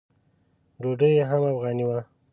ډوډۍ یې هم افغاني وه.